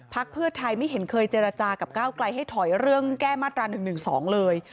เพื่อไทยไม่เห็นเคยเจรจากับก้าวไกลให้ถอยเรื่องแก้มาตรา๑๑๒เลย